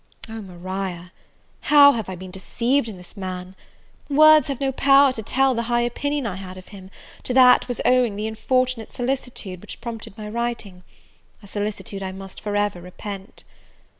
Oh, Maria! how have I been deceived in this man! Words have no power to tell the high opinion I had of him; to that was owing the unfortunate solicitude which prompted my writing; a solicitude I must for ever repent!